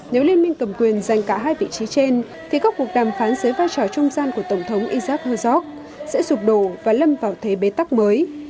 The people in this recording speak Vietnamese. nếu liên minh cầm quyền giành cả hai vị trí trên thì các cuộc đàm phán dưới vai trò trung gian của tổng thống isaac herzog sẽ sụp đổ và lâm vào thế bê tắc mới